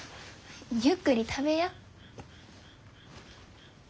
ゆっくり食べや。